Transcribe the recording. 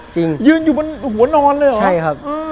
จริงใช่ครับยืนอยู่บนหัวนอนเลยเหรอ